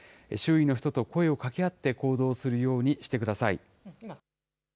周囲の人と声をかけ合って、行動するようにしてください。